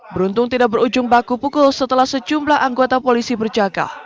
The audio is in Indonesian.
beruntung tidak berujung baku pukul setelah sejumlah anggota polisi berjaga